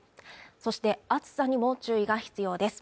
そして暑さにも注意が必要です